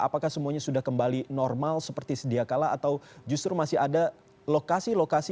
apakah semuanya sudah kembali normal seperti sedia kala atau justru masih ada lokasi lokasi